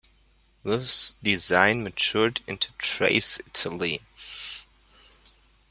This design matured into the "trace italienne".